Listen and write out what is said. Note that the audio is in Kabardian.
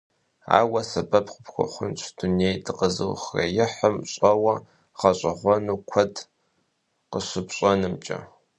Ар уэ сэбэп къыпхуэхъунщ дуней дыкъэзыухъуреихьым щӀэуэ, гъэщӀэгъуэну куэд къыщыпщӀэнымкӀэ.